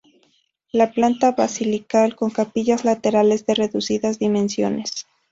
La planta basilical con capillas laterales de reducidas dimensiones.